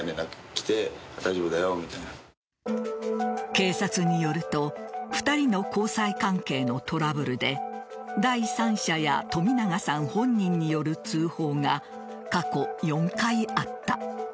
警察によると２人の交際関係のトラブルで第三者や冨永さん本人による通報が過去４回あった。